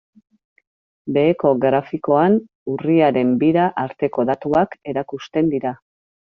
Beheko grafikoan urriaren bira arteko datuak erakusten dira.